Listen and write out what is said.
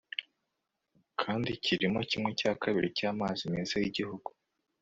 kandi kirimo kimwe cya kabiri cy'amazi meza y'igihugu